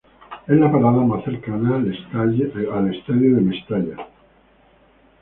Es la parada más cercana al Estadio de Mestalla.